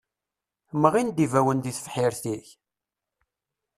Mɣin-d ibawen deg tebḥirt-ik?